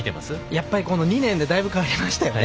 やっぱり、この２年でだいぶ変わりましたよね。